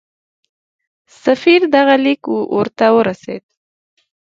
سفیر دغه لیک ورته ورسېد.